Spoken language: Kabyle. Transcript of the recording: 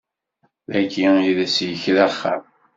Dagi i d as-yekra axxam.